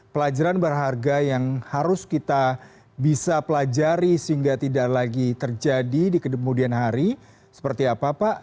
pelajaran berharga yang harus kita bisa pelajari sehingga tidak lagi terjadi di kemudian hari seperti apa pak